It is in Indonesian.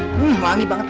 hmm wangi banget